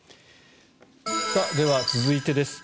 では、続いてです。